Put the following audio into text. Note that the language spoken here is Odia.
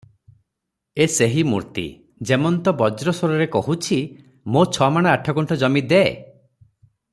ଏ ସେହି ମୂର୍ତ୍ତି, ଯେମନ୍ତ ବଜ୍ର ସ୍ୱରରେ କହୁଛି, "ମୋ ଛମାଣ ଆଠଗୁଣ୍ଠ ଜମି ଦେ ।"